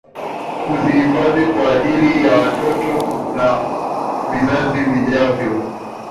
Kuzihifadhi kwa ajili ya watoto na vizazi vijavyo.